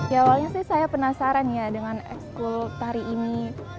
ya awalnya sih saya penasaran ya dengan ekskul tari ini